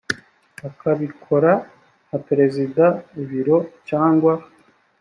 akabikora nka perezida biro cyangwa